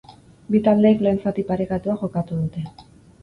Bi taldeek lehen zati parekatua jokatu dute.